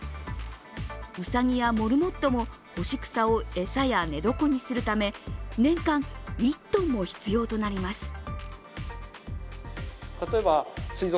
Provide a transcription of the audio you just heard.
うさぎやモルモットも干し草を餌や寝床にするため年間１ｔも必要となります。